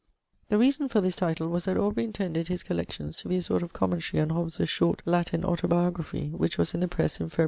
The reason for this title was that Aubrey intended his Collections to be a sort of commentary on Hobbes' short Latin autobiography, which was in the press in Febr.